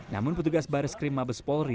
namun petugas bareskrim mabes polri